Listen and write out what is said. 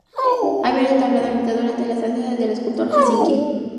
Habían entablado amistad durante la estancia del escultor en Helsinki.